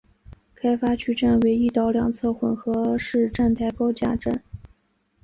开发区站为一岛两侧混合式站台高架站。